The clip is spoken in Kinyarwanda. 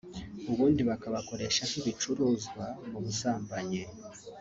ubundi bakabakoresha nk’ibicuruzwa mu busambanyi”